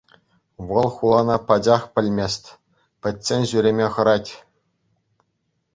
Вӑл хулана пачах пӗлмест, пӗччен ҫӳреме хӑрать.